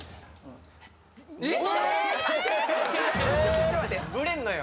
ちょっと待ってぶれるのよ・